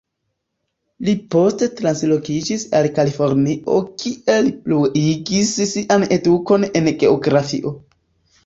Li poste translokiĝis al Kalifornio kie li pluigis sian edukon en geografio.